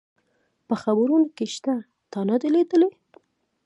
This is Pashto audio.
په خبرونو کي شته، تا نه دي لیدلي؟